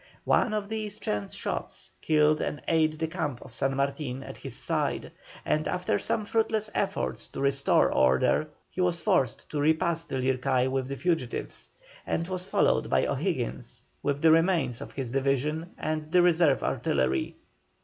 One of these chance shots killed an aide de camp of San Martin at his side, and after some fruitless efforts to restore order he was forced to repass the Lircay with the fugitives, and was followed by O'Higgins with the remains of his division and the reserve artillery.